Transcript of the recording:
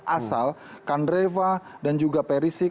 asal kandreva dan juga perisik